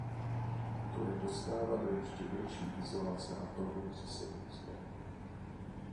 To je dostává do ještě větší izolace a probouzí se v nich zlo.